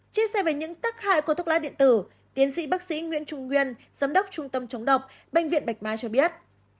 chia sẻ về những tắc hại của thuốc lá điện tử tiến sĩ bác sĩ nguyễn trung nguyên giám đốc trung tâm chống độc bệnh viện bạch mai cho biết